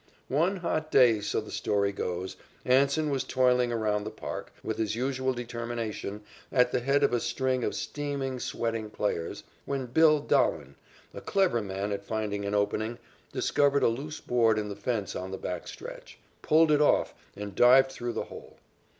One hot day, so the story goes, Anson was toiling around the park, with his usual determination, at the head of a string of steaming, sweating players, when "Bill" Dahlen, a clever man at finding an opening, discovered a loose board in the fence on the back stretch, pulled it off, and dived through the hole.